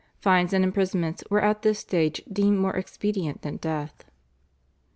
Fines and imprisonment were at this stage deemed more expedient than death.